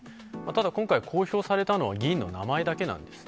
ただ、今回、公表されたのは、議員の名前だけなんです。